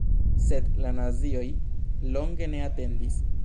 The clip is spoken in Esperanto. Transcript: Sed la nazioj longe ne atendis.